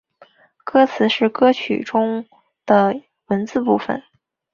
歌词是歌曲中的文词部分。